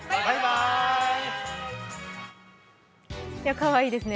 かわいいですね。